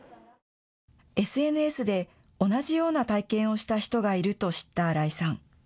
ＳＮＳで同じような体験をした人がいると知った新井さん。